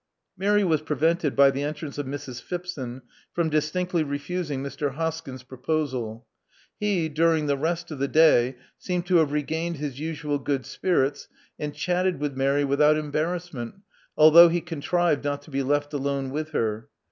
Mary was prevented by the entrance of Mrs, Pbip son from distinctly refusing Mr. Hoskyn's proposaL He, during the rest of the day, seemed to have regained his usual good spirits, and chatted with Mary without embarrassment, although he contrived not to be left alone with her.